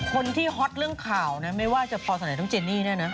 คนที่ฮอตเรื่องข่าวนะไม่ว่าจะพอสนับใหญ่ต้องเจนนี่น่ะนะ